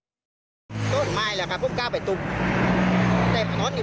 เพราะถูกทำร้ายเหมือนการบาดเจ็บเนื้อตัวมีแผลถลอก